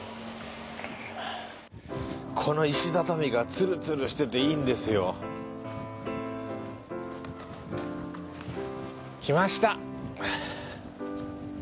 この石畳がツルツルしてていいんですよ。来ました。